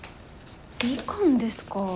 みかんですか。